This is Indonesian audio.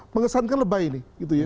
mengesankan lebay ini